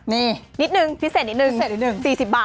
นี่พิเศษนิดนึง๔๐บาทนิดนึง